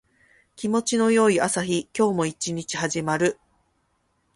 気持ちの良い朝日。今日も一日始まる。